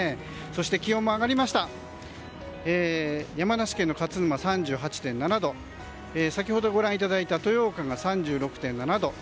そして、気温も上がりました山梨県の勝沼で３８．７度先ほどご覧いただいた豊岡が３６．７度。